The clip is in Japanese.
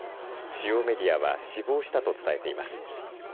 主要メディアは死亡したと伝えています。